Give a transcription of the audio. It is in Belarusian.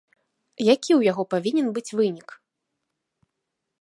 Які ў яго павінен быць вынік?